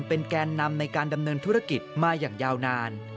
เป็นแกนนำในการดำเนินธุรกิจมาอย่างยาวนาน